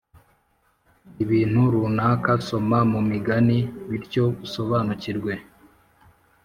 ibintu runaka Soma mu Migani bityo usobanukirwe